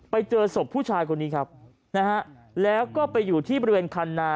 ไปเจอศพผู้ชายคนนี้ครับนะฮะแล้วก็ไปอยู่ที่บริเวณคันนา